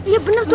iya bener tuh